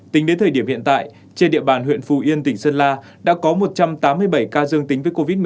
tính đến thời điểm hiện tại trên địa bàn huyện phù yên tỉnh sơn la đã có một trăm tám mươi bảy ca dương tính với covid một mươi chín